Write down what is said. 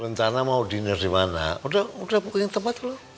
rencana mau diner dimana udah booking tempat loh